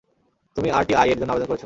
তুমি আরটিআই-এর জন্য আবেদন করেছ?